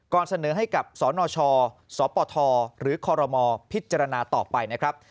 เสนอให้กับสนชสปทหรือคอรมอพิจารณาต่อไปนะครับ